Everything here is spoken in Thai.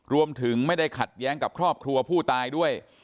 รวมถึงไม่ได้ขัดแย้งกับครอบครัวผู้ตายด้วย